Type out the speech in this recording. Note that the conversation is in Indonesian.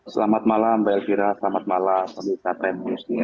selamat malam mbak elvira selamat malam